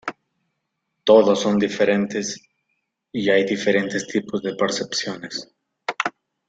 Todas son diferentes, y hay diferentes tipos de percepciones.